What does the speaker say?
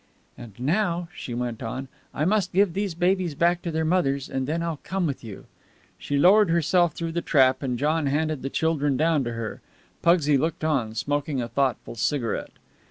"And now," she went on, "I must give these babies back to their mothers, and then I'll come with you." She lowered herself through the trap, and John handed the children down to her. Pugsy looked on, smoking a thoughtful cigarette.